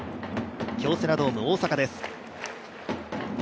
京セラドーム大阪です。